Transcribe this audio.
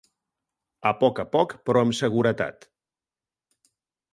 A poc a poc però amb seguretat.